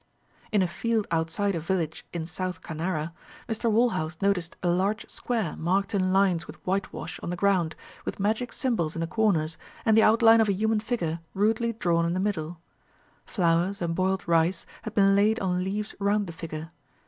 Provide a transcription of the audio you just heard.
In a field outside a village in South Canara, Mr Walhouse noticed a large square marked in lines with whitewash on the ground, with magic symbols in the corners, and the outline of a human figure rudely drawn in the middle. Flowers and boiled rice had been laid on leaves round the figure.